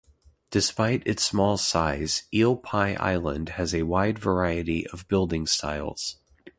Despite its small size, Eel Pie Island has a wide variety of building styles.